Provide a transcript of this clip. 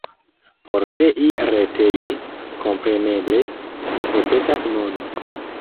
Por krei retejon, kompreneble, necesas mono.